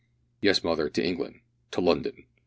"Yes, mother, to England to London.